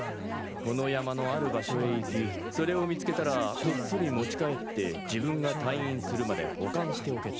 「この山のある場所へ行きそれを見つけたらこっそり持ち帰って自分が退院するまで保管しておけ」